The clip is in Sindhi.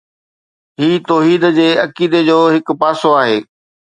هي توحيد جي عقيدي جو هڪ پاسو آهي